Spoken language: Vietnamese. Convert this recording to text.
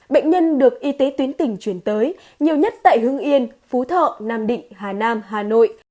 bệnh nhân được y tế tuyến tỉnh chuyển tới nhiều nhất tại hưng yên phú thọ nam định hà nam hà nội